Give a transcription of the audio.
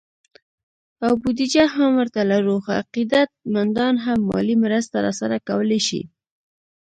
او بودیجه هم ورته لرو، خو عقیدت مندان هم مالي مرسته راسره کولی شي